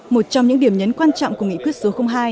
một trong những điểm nhấn quan trọng của nghị quyết số hai